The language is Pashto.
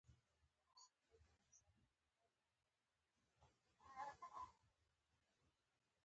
کچالو د هر وطن ګډ خوراک دی